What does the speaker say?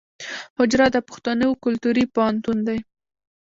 حجره د پښتنو کلتوري پوهنتون دی.